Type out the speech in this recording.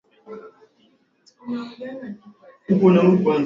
Katika maisha yake ya soka la kulipwa